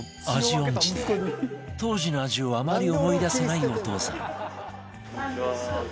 音痴で当時の味をあまり思い出せないお父さん